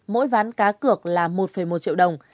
mỗi ván cá cược là một một triệu đồng